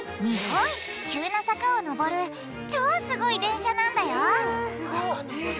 日本一急な坂をのぼる超すごい電車なんだよ